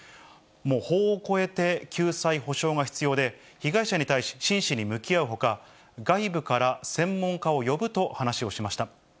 法を超えて救済・補償が必要で、被害者に対し、真摯に向き合うほか、外部から専門家を呼ぶと話をしました。